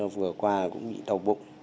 vừa qua cũng bị đau bụng